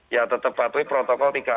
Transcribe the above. ya tetep batui protokol tiga m